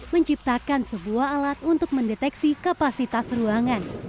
menciptakan sebuah alat untuk mendeteksi kapasitas ruangan